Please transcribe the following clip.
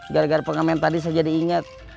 gara gara pengamen tadi saya jadi ingat